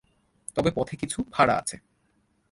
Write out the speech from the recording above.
তবে পথে কিছু ফাঁড়া আছে।